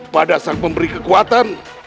pada sang pemberi kekuatan